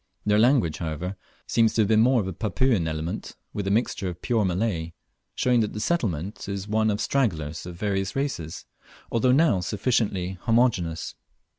Their language, however, seems to have more of the Papuan element, with a mixture of pure Malay, showing that the settlement is one of stragglers of various races, although now sufficiently homogeneous.